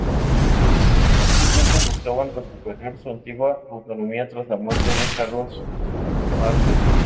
Los tres duques buscaban recuperar su antigua autonomía tras la muerte de Carlos Martel.